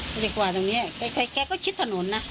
ก็จะกวาดตรงนี้แค่แค่ก็ชิดถนนนะ